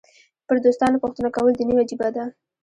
پر دوستانو پوښتنه کول دیني وجیبه ده.